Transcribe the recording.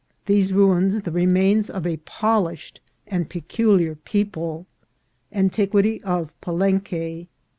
— These Ruins the Remains of a polished and pe culiar People. — Antiquity of Palenque.